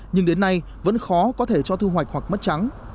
nhưng đến nay vẫn khó có thể cho thu hoạch hoặc mất trắng